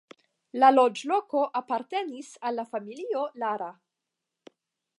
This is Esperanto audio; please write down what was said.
La loĝloko apartenis al la familio Lara.